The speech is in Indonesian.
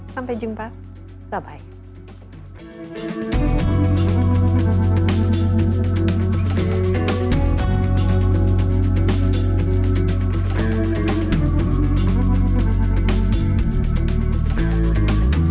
sampai jumpa bye bye